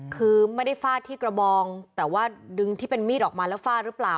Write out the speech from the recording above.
คือไม่ได้ฟาดที่กระบองแต่ว่าดึงที่เป็นมีดออกมาแล้วฟาดหรือเปล่า